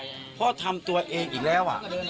ก็นี่อ่ะพ่อทำตัวเองอีกแล้วอ่ะ